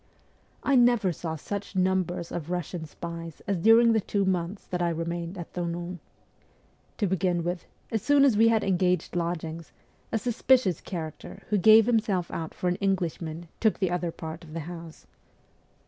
I never saw such numbers of Eussian spies as during the two months that I remained at Thonon. To begin with, as soon as we had engaged lodgings, a suspicious character, who gave himself out for an Englishman, took the other part of the house.